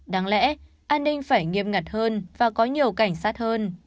đáng lẽ an ninh phải nghiêm ngặt hơn và có nhiều cảnh sát hơn